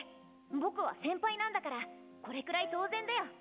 ボクは先輩なんだからこれくらい当然だよ。